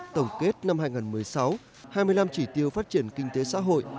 tổng kết năm hai nghìn một mươi sáu hai mươi năm chỉ tiêu phát triển kinh tế xã hội